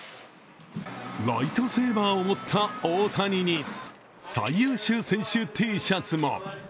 ライトセーバーを持った大谷に最優秀選手Ｔシャツも。